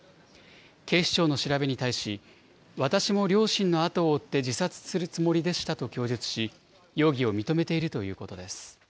警視庁の調べに対し、私も両親の後を追って自殺するつもりでしたと供述し、容疑を認めているということです。